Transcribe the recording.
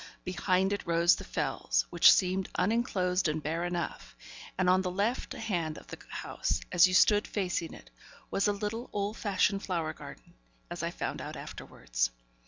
Behind it rose the Fells; which seemed unenclosed and bare enough; and on the left hand of the house, as you stood facing it, was a little, old fashioned flower garden, as I found out afterwards.